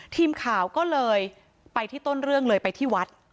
ทีมข่าวก็เลยไปที่ต้นเรื่องเลยไปที่วัด